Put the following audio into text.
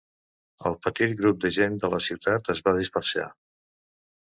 El petit grup de gent de la ciutat es va dispersar.